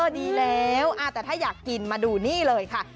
ดีแล้วแต่ถ้าอยากกินมาดูนี่เลยค่ะ